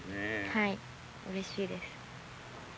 はい、うれしいです。